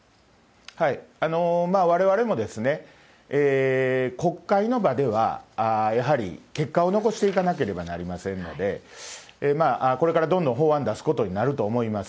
われわれも国会の場ではやはり結果を残していかなければなりませんので、これからどんどん法案出すことになると思います。